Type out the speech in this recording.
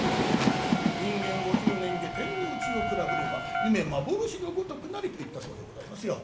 「人間五十年下天の内をくらぶれば夢幻の如くなり」と言ったそうでございますよ。